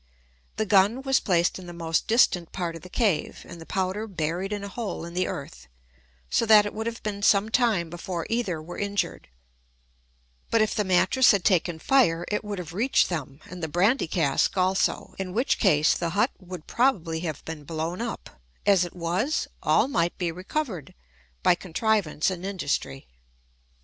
The gun was placed in the most distant part of the cave, and the powder buried in a hole in the earth, so that it would have been some time before either were injured; but if the mattress had taken fire, it would have reached them, and the brandy cask also, in which case the hut would probably have been blown up; as it was, all might be recovered, by contrivance and industry.